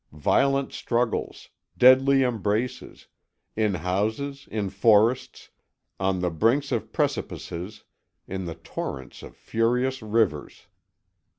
Violent struggles, deadly embraces in houses, in forests, on the brinks of precipices, in the torrents of furious rivers.